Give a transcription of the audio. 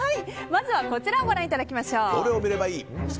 まずはこちらをご覧いただきましょう。